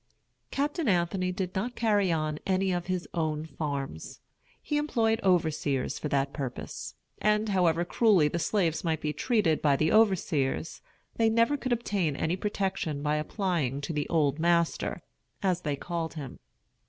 Captain Anthony did not carry on any of his own farms. He employed overseers for that purpose; and however cruelly the slaves might be treated by the overseers, they never could obtain any protection by applying to the "old master," as they called him.